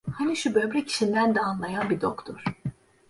Hani şu böbrek işinden de anlayan bir doktor…